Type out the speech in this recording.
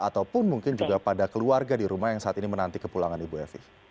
ataupun mungkin juga pada keluarga di rumah yang saat ini menanti kepulangan ibu evi